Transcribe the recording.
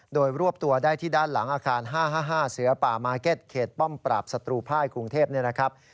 โดยรวบตัวได้ที่ด้านหลังอาคาร๕๕เสือป่ามาร์เก็ตเขตป้อมปราบศัตรูภายกรุงเทพเนี่ยนะครับ